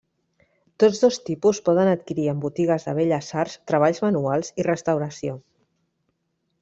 Tots dos tipus poden adquirir en botigues de Belles Arts, Treballs manuals i Restauració.